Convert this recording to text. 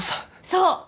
そう！